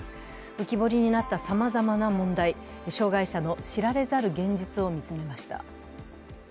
浮き彫りになったさまざまな障害者の知られざる現実を取材しました。